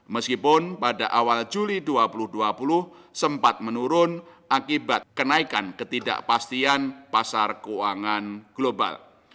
meskipun pada awal juli dua ribu dua puluh sempat menurun akibat kenaikan ketidakpastian pasar keuangan global